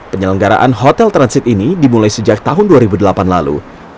penyelenggaraan hotel transit ini dimulai sejak tahun dua ribu delapan lalu